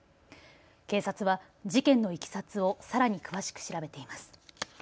警察は事件のいきさつをさらに詳しく調べています。